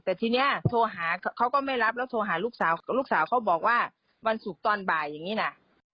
แต่ทีนี้โทรหาเขาก็ไม่รับแล้วโทรหาลูกสาวลูกสาวเขาบอกว่าวันศุกร์ตอนบ่ายอย่างนี้นะ